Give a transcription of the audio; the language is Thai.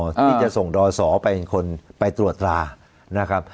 ที่จะส่งดอสอเป็นคนไปตรวจตรานะครับ